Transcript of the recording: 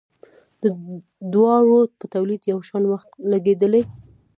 د دواړو په تولید یو شان وخت لګیدلی.